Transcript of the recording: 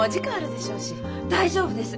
大丈夫です。